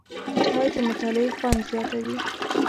چای د مطالعې خوند زیاتوي